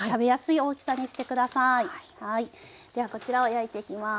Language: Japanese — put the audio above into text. ではこちらを焼いていきます。